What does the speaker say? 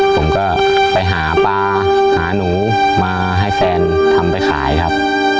ผมก็ไปหาปลาหาหนูมาให้แฟนทำไปขายครับ